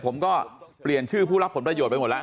ผมก็เปลี่ยนชื่อผู้รับผลประโยชน์ไปหมดแล้ว